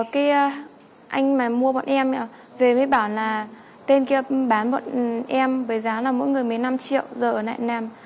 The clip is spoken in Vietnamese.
cái anh mà mua bọn em về mới bảo là tên kia bán bọn em với giá là mỗi người một mươi năm triệu giờ ở lại nèm